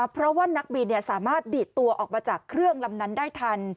เพราะว่านักบินสามารถดีดตัวออกมาจากเครื่องลำนั้นได้ทัน